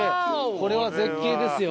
これは絶景ですよ。